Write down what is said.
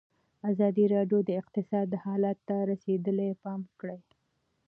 ازادي راډیو د اقتصاد حالت ته رسېدلي پام کړی.